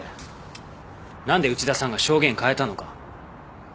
何で内田さんが証言変えたのか。